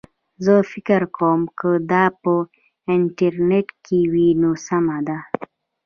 زه فکر کوم که دا په انټیل کې وي نو سمه ده